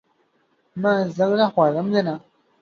مه ځغله خورم دې نه !